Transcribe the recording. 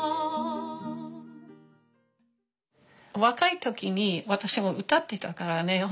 若い時に私も歌ってたからね。